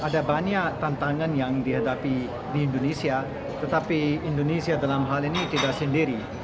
ada banyak tantangan yang dihadapi di indonesia tetapi indonesia dalam hal ini tidak sendiri